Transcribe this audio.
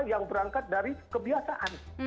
yang berangkat dari kebiasaan